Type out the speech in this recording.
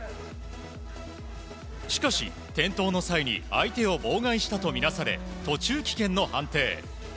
しかし、転倒の際に相手を妨害したと見なされ、途中棄権の判定。